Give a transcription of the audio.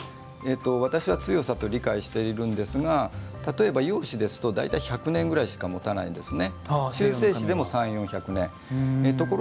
私は強さと理解しているんですが例えば洋紙ですと大体１００年ぐらいしか持たないんですね